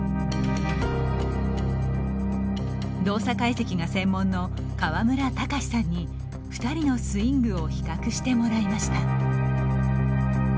動作解析が専門の川村卓さんに２人のスイングを比較してもらいました。